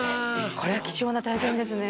これは貴重な体験ですね